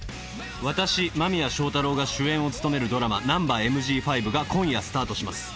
私間宮祥太朗が主演を務めるドラマ『ナンバＭＧ５』が今夜スタートします。